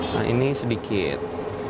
nah ini sedikit